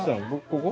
ここ。